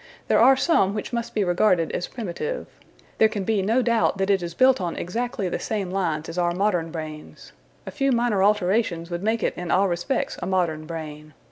There are some which must be regarded as primitive. There can be no doubt that it is built on exactly the same lines as our modern brains. A few minor alterations would make it in all respects a modern brain....